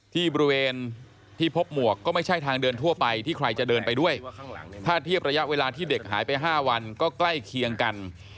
ที่บริเวณที่พบหมวกก็ไม่ใช่ทางเดินทั่วไปที่ใครจะเดินไปด้วยถ้าเทียบระยะเวลาที่เด็กหายไป๕วันก็ใกล้เคียงกัน